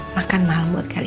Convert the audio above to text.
makan malam buat kalian